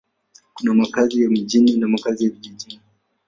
Kuna makazi ya mjini na makazi ya vijijini.